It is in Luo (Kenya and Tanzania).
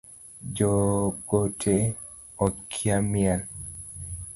Jogote okia miel